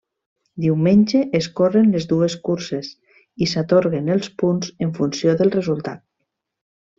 Diumenge es corren les dues curses i s'atorguen els punts en funció del resultat.